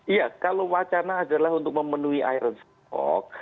iya kalau wacana adalah untuk memenuhi iron stock